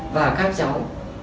và các cháu